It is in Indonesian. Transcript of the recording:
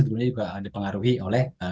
dan juga dipengaruhi oleh